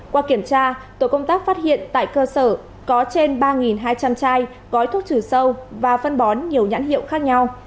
qua kiểm tra tổ công tác phát hiện tại cơ sở có trên ba hai trăm linh chai gói thuốc trừ sâu và phân bón nhiều nhãn hiệu khác nhau